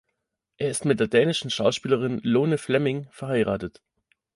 Er ist mit der dänischen Schauspielerin Lone Fleming verheiratet.